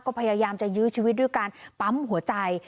ก็พยายามจะยื้อชีวิตด้วยการปั๊มหัวใจ